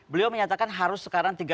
beliau menyatakan harus sekarang